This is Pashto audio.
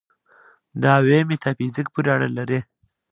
دعوې میتافیزیک پورې اړه لري.